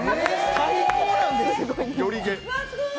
最高なんですよ。